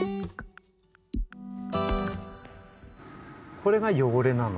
これがよごれなの。